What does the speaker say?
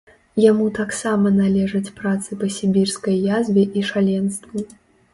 Яму таксама належаць працы па сібірскай язве і шаленству.